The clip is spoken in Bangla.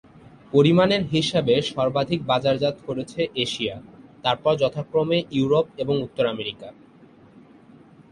পরিমাণের হিসাবে সর্বাধিক বাজারজাত করেছে এশিয়া, তারপর যথাক্রমে ইউরোপ এবং উত্তর আমেরিকা।